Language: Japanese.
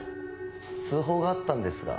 通報があったんですが。